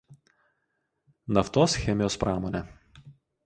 Naftos chemijos pramonė.